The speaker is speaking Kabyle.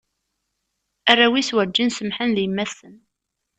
Arraw-is werǧin semmḥen di yemma-tsen.